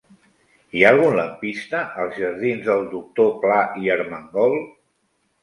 Hi ha algun lampista als jardins del Doctor Pla i Armengol?